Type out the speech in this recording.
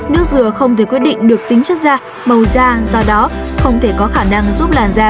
nước dừa không thể quyết định được tính chất da màu da do đó không thể có khả năng giúp làn da